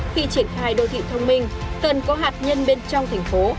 khi triển khai đô thị thông minh cần có hạt nhân bên trong thành phố